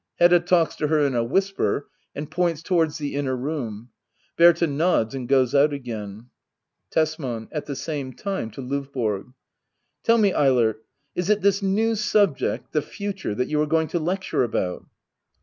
Hedda talks to her in a whisper, and points towards the inner room. Berta nods and goes ovi again. Tesman. [At the same time, to LdvBORO.] Tell me^ Eilert — is it this new subject — the future — that you are going to lecture about